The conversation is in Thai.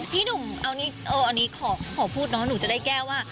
พี่หนุ่มอันนี้ขอพูดเนาะหนูจะได้แก้ว่า